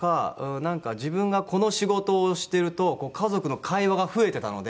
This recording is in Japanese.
なんか自分がこの仕事をしてると家族の会話が増えてたので。